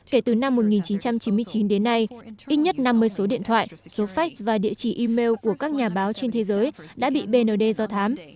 kể từ năm một nghìn chín trăm chín mươi chín đến nay ít nhất năm mươi số điện thoại số fak và địa chỉ email của các nhà báo trên thế giới đã bị bnd do thám